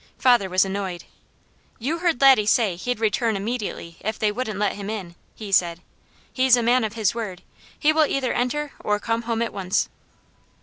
Father was annoyed. "You heard Laddie say he'd return immediately if they wouldn't let him in," he said. "He's a man of his word. He will either enter or come home at once."